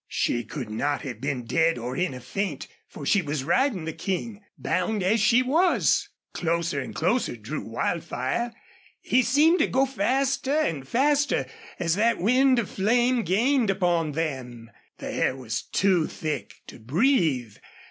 She could not have been dead or in a faint, for she was riding the King, bound as she was! Closer and closer drew Wildfire. He seemed to go faster and faster as that wind of flame gained upon them. The air was too thick to breathe.